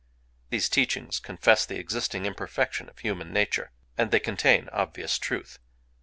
These teachings confess the existing imperfection of human nature; and they contain obvious truth.